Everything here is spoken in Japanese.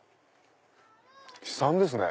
悲惨ですね。